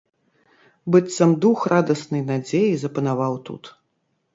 Быццам дух радаснай надзеі запанаваў тут.